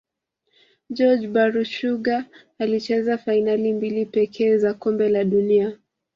jorge burachuga alicheza fainali mbili pekee za kombe la dunia